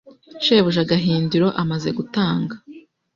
Shebuja Gahindiro amaze gutanga,